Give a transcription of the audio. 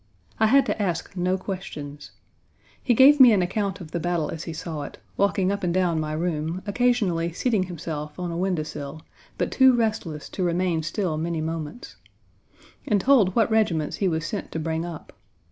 I had to ask no questions. He gave me an account of the battle as he saw it (walking up and down my room, occasionally seating himself on a window sill, but too restless to remain still many moments) ; and told what regiments he was sent to bring up.